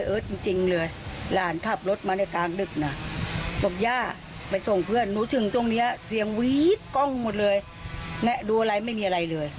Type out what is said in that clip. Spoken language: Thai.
เอาไปฟังเรื่องคนหัวลุกกันหน่อยสิ